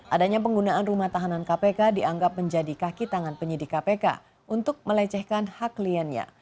adanya penggunaan rumah tahanan kpk dianggap menjadi kaki tangan penyidik kpk untuk melecehkan hak kliennya